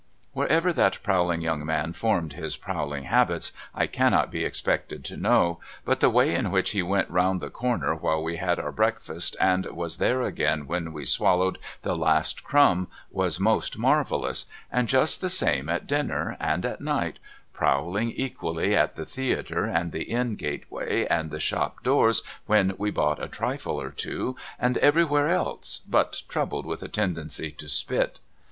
Wherever that prowling young man formed his prowling habits I cannot be expected to know, but the way in which he went round the corner while we had our breakfasts and was there again when we swallowed the last crumb was most marvellous, and just the same at dinner and at night, prowling equally at the theatre and the inn gateway and the shop doors when we bought a trifle or two and everywhere else but troubled with a tendency to spit.